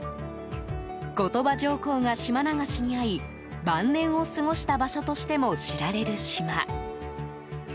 後鳥羽上皇が島流しに遭い晩年を過ごした場所としても知られる島。